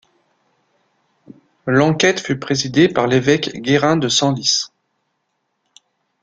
L’enquête fut présidée par l’évêque Guérin de Senlis.